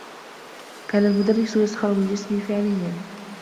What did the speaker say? كان المدرّس يسخر من جسمي فعليّا.